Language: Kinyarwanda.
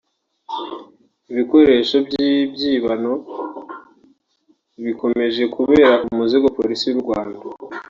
Ibikoresho by’ibyibano bikomeje kubera umuzigo Polisi y’u Rwanda